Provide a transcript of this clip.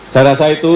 saya rasa itu